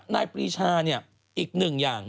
นายปรีชาเนี่ยอีกหนึ่งอย่าง